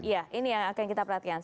ya ini yang akan kita perhatikan